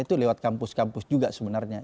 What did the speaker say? itu lewat kampus kampus juga sebenarnya